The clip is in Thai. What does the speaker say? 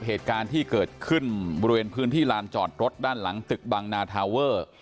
เหตุการณ์ที่เกิดขึ้นบริเวณพื้นที่ลานจอดรถด้านหลังตึกบังนาทาเวอร์